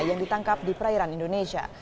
yang ditangkap di perairan indonesia